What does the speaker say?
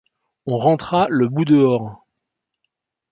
On rentra le bout-dehors.